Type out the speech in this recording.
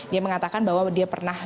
dia mengatakan bahwa dia pernah